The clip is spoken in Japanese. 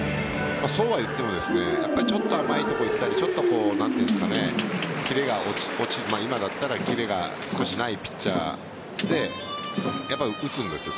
そうはいってもちょっと甘いところにきたり今だったらキレが少しないピッチャーで打つんですよ。